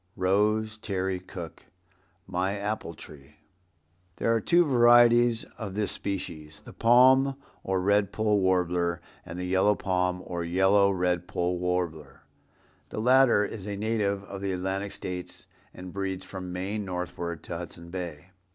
—Rose Terry Cooke, "My Apple Tree." There are two varieties of this species, the Palm or Red poll Warbler, and the yellow palm or yellow red poll warbler. The latter is a native of the Atlantic States and breeds from Maine northward to Hudson Bay.